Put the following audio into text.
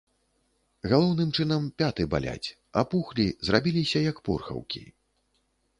Галоўным чынам пяты баляць, апухлі, зрабіліся як порхаўкі.